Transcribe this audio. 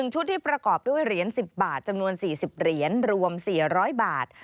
ชุดที่ประกอบด้วยเหรียญ๑๐บาทจำนวน๔๐เหรียญรวม๔๐๐บาท